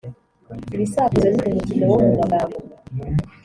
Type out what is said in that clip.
Ibisakuzo ni umukino wo mu magambo